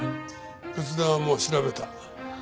仏壇はもう調べた。